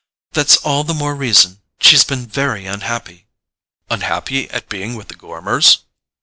"That's all the more reason: she's been very unhappy." "Unhappy at being with the Gormers?"